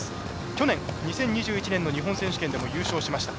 去年２０２１年の日本選手権でも優勝しました。